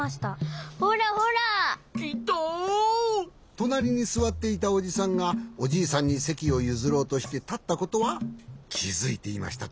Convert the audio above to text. となりにすわっていたおじさんがおじいさんにせきをゆずろうとしてたったことはきづいていましたか？